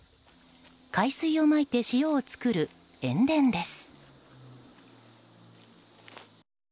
海水をまいて塩を作る塩田です。